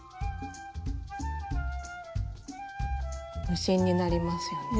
無心になりますよね。